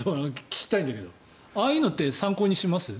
聞きたいんだけどああいうのって参考にします？